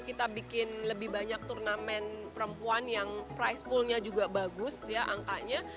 kita bikin lebih banyak turnamen perempuan yang price poolnya juga bagus ya angkanya